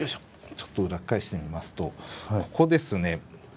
ちょっと裏っ返してみますとここですね。